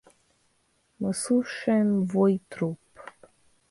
Мы слушаем вой труб.